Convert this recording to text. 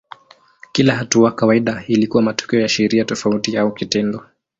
Kila hatua kawaida ilikuwa matokeo ya sheria tofauti au kitendo.